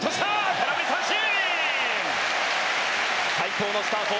空振り三振！